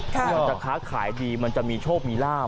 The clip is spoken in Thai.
มันจะค้าขายดีมันจะมีโชคมีลาบ